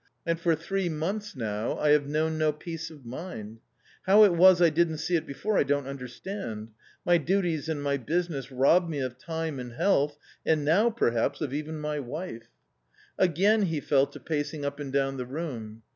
And for three months now I have known no peace of mind. How it was I didn't see it before I don't understand.^ My "duties and my business rob me of time and health, and now, perhaps, of even my wife 1 "/ A COMMON STORY 267 Again be fell to pacing up and down the room.